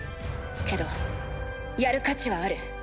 けどやる価値はある。